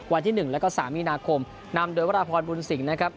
วันที่๑แล้วก็๓นาคมนำโดยวัดละพรบุญสิ่งนะครับ